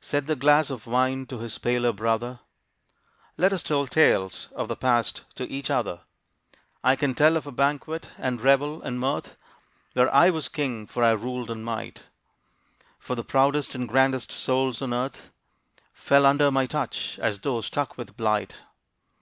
Said the glass of wine to his paler brother, "Let us tell tales of the past to each other; I can tell of a banquet, and revel, and mirth, Where I was king, for I ruled in might; For the proudest and grandest souls on earth Fell under my touch, as though struck with blight.